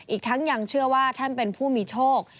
อีกทั้งยังเชื่อว่าท่านเป็นผู้มีโชค